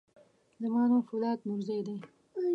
زما نوم فولاد نورزی دی.